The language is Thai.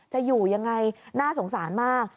จะอยู่ยังไงน่าสงสารมาก